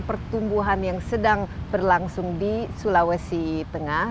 pertumbuhan yang sedang berlangsung di sulawesi tengah